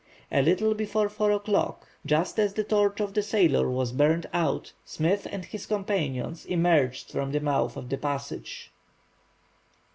A little before 4 o'clock, just as the torch of the sailor was burnt out, Smith and his companions emerged from the mouth of the passage.